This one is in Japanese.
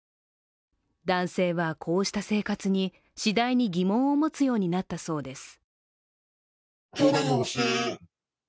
男性は、こうした生活に次第に疑問を持つようになったそうです。